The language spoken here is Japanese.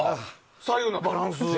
左右のバランスが。